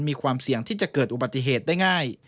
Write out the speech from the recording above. มีความเสี่ยงที่จะเกิดอุบัติเหตุได้ง่าย